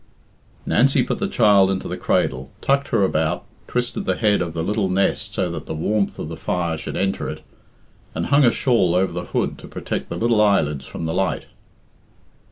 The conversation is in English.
Nancy put the child into the cradle, tucked her about, twisted the head of the little nest so that the warmth of the fire should enter it, and hung a shawl over the hood to protect the little eyelids from the light.